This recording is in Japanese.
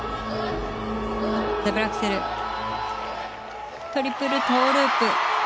ダブルアクセルトリプルトウループ。